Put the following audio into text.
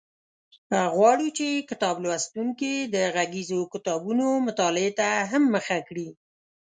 غواړو چې کتاب لوستونکي د غږیزو کتابونو مطالعې ته هم مخه کړي.